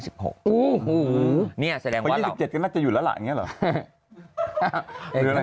ของ๒๗ก็น่าจะอยู่แล้วหรอ